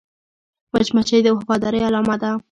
مچمچۍ د وفادارۍ علامه ده